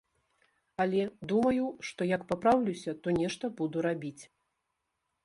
Але думаю, што як папраўлюся, то нешта буду рабіць.